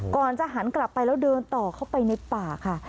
ก่อนจะหันกลับไปแล้วเดินต่อเข้าไปในป่าค่ะ